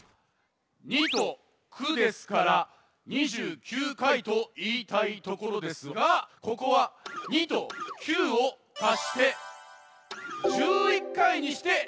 ２と９ですから２９かいといいたいところですがここは２と９をたして１１かいにしてさしあげます。